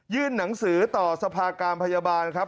หนังสือต่อสภาการพยาบาลครับ